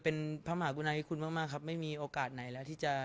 เป็นพระมหากุณาธิคุณมากมากครับไม่มีโอกาสไหนแล้วที่จะ